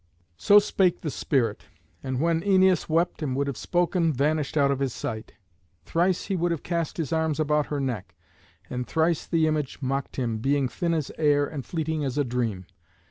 So spake the spirit, and, when Æneas wept and would have spoken, vanished out of his sight. Thrice he would have cast his arms about her neck, and thrice the image mocked him, being thin as air and fleeting as a dream.